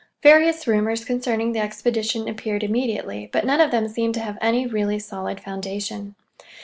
Various rumors concerning the expedition appeared immediately, but none of them seemed to have any really solid foundation.